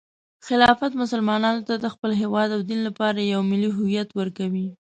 خلافت مسلمانانو ته د خپل هیواد او دین لپاره یو ملي هویت ورکوي.